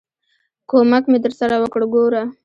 ک و م ک مې درسره وکړ، ګوره!